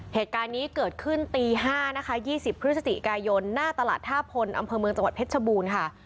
เหตุการณ์นี้เกิดขึ้นตี๕นะคะ๒๐พฤศจิกายนหน้าตลาดท่าพลอำเภอเมืองจังหวัดเพชรชบูรณ์ค่ะ